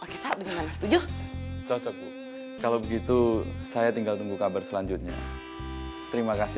oke pak bagaimana setuju cocok kalau begitu saya tinggal tunggu kabar selanjutnya terima kasih